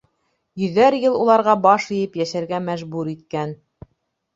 Йөҙәр йыл уларға баш эйеп йәшәргә мәжбүр иткән.